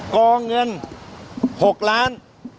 กองเงิน๖ล้าน